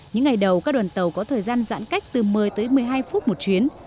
những ngày đầu các đoàn tàu có thời gian giãn cách từ một mươi tới một mươi hai phút một chuyến